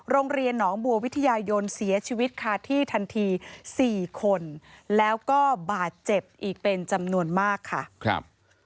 โรงเรียนหนองบัววิทยายนเสียชีวิตคาที่ทันที๔คนแล้วก็บาดเจ็บอีกเป็นจำนวนมากค่ะครับ